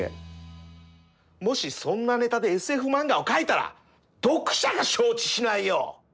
もしそんなネタでＳＦ漫画を描いたら読者が承知しないよ。